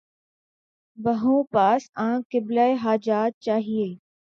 بھَوں پاس آنکھ قبلۂِ حاجات چاہیے